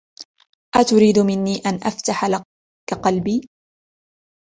اتريد مني ان افتح لك قلبي؟